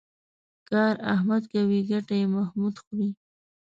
کار احمد کوي ګټه یې محمود خوري.